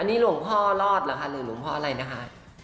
นี่หลวงพ่อรอดเหรอคะหรือหลวงพ่ออะไรนะคะ